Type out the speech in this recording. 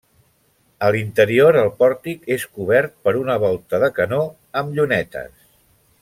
A l'interior, el pòrtic és cobert per una volta de canó amb llunetes.